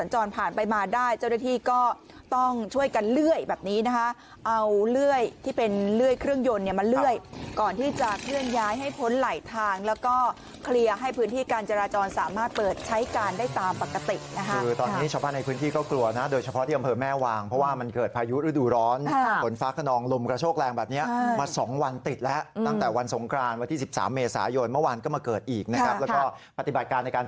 โห้เลื่อยที่เป็นเลื่อยเครื่องยนต์เนี่ยมาเลื่อยก่อนที่จะเคลื่อนย้ายให้พ้นไหลทางแล้วก็เคลียร์ให้พื้นที่การจราจรสามารถเปิดใช้การได้ตามปกติคือตอนนี้เฉพาะในพื้นที่ก็กลัวนะโดยเฉพาะที่อำเภอแม่วางเพราะว่ามันเกิดพายุฤดูร้อนผลฟ้าขนองลมกระโชคแรงแบบนี้มาสองวันติดแล้วตั้งแต่วันสงครานวันที่